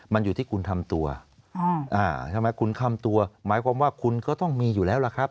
มันอยู่ที่คุณทำตัวใช่ไหมคุณคำตัวหมายความว่าคุณก็ต้องมีอยู่แล้วล่ะครับ